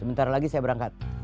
ntar lagi saya berangkat